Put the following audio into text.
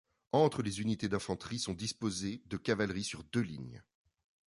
Entre les unités d'infanterie sont disposés de cavalerie sur deux lignes.